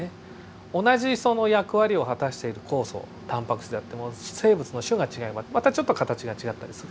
同じその役割を果たしている酵素タンパク質であっても生物の種が違えばまたちょっと形が違ったりする。